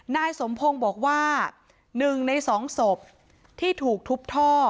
นายสมพงศ์บอกว่าหนึ่งในสองศพที่ถูกทุบท่อ